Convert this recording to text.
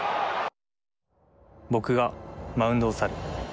僕がマウンドを去る。